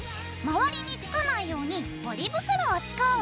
周りにつかないようにポリ袋を敷こう。